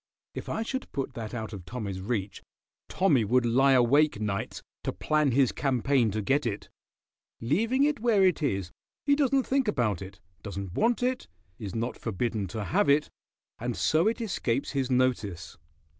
If I should put that out of Tommy's reach, Tommy would lie awake nights to plan his campaign to get it. Leaving it where it is he doesn't think about it, doesn't want it, is not forbidden to have it, and so it escapes his notice."